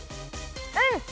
うん！